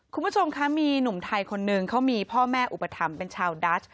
คุณผู้ชมคะมีหนุ่มไทยคนหนึ่งเขามีพ่อแม่อุปถัมภ์เป็นชาวดัช